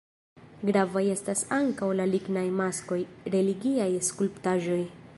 Gravaj estas ankaŭ la lignaj maskoj, religiaj skulptaĵoj.